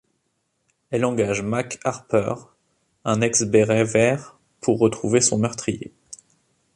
Elle engage Mac Harper, un ex béret vert pour retrouver son meurtrier.